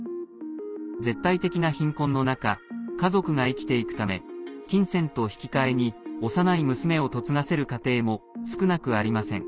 絶対的な貧困の中家族が生きていくため金銭と引き換えに幼い娘を嫁がせる家庭も少なくありません。